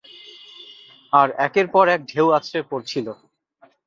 আর একের পর এক ঢেউ আছড়ে পড়ছিল।